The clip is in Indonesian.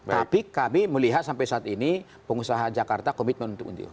tapi kami melihat sampai saat ini pengusaha jakarta komitmen untuk